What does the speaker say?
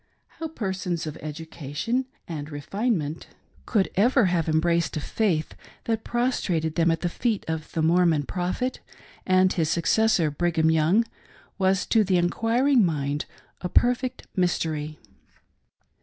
How persons of education and refinement could ever X PREFACE, have embraced a faith that prostrated them at the feet of the Mormon Prophet, and his successor Brigham Young, was to the enquiring mind a perfect mystery.